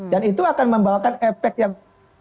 dan itu akan membawakan efek yang